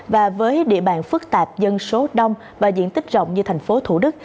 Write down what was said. và với địa bàn phức tạp dân số đông và diện tích rộng như tp thủ đức